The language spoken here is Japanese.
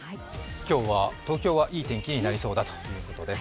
今日は東京はいい天気になりそうだということです。